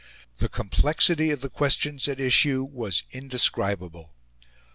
The complexity of the questions at issue was indescribable.